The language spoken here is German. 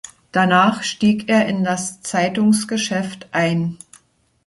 Danach stieg er in das Zeitungsgeschäft ein.